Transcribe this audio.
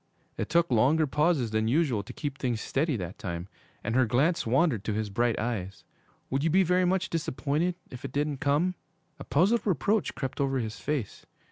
It took longer pauses than usual to keep things steady that time, and her glance wandered to his bright eyes. 'Would you be very much disappointed if it didn't come?' A puzzled reproach crept over his face.